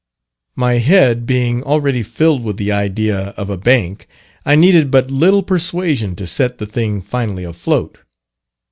My head being already filled with the idea of a bank, I needed but little persuasion to set the thing finally afloat.